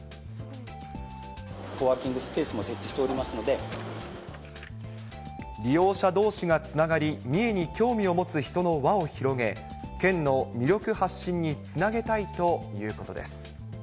コワーキングスペースも設置利用者どうしがつながり、三重に興味を持つ人の輪を広げ、県の魅力発信につなげたいということです。